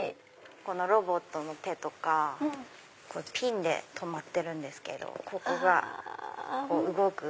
このロボットの手とかピンで留まってるんですけどここが動く。